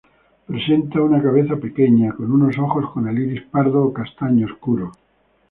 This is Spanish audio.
Presenta una cabeza pequeña, con unos ojos con el iris pardo o castaño oscuro.